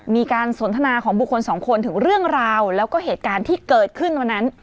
มีการสนทนาของบุคคลสองคนถึงเรื่องราวแล้วก็เหตุการณ์ที่เกิดขึ้นวันนั้น